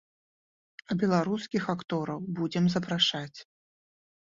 А беларускіх актораў будзем запрашаць.